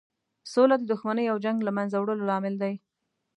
سوله د دښمنۍ او جنګ له مینځه وړلو لامل دی.